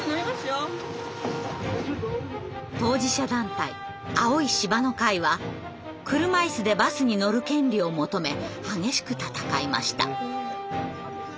当事者団体「青い芝の会」は車いすでバスに乗る権利を求め激しく闘いました。